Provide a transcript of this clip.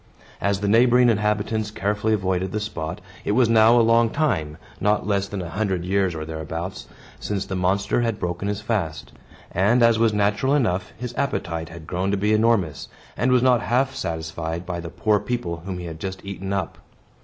As the neighboring inhabitants carefully avoided the spot, it was now a long time (not less than a hundred years or thereabouts) since the monster had broken his fast; and, as was natural enough, his appetite had grown to be enormous, and was not half satisfied by the poor people whom he had just eaten up.